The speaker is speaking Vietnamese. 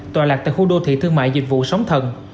tòa lạc tại khu đô thị thương mại dịch vụ sống thần